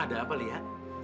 ada apa lia